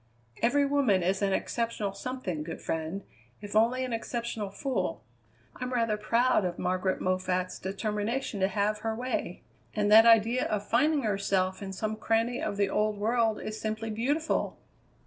"Every woman is an exceptional something, good friend, if only an exceptional fool. I'm rather proud of Margaret Moffatt's determination to have her way, and that idea of finding herself in some cranny of the old world is simply beautiful.